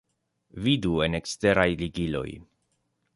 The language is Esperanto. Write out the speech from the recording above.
Vidu en eksteraj ligiloj.